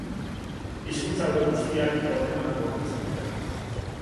Hizkuntza hauek guztiak Guatemalan gordetzen dira.